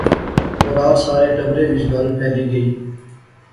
اورار سارے ٹبرے وچ گل پھیلی گئی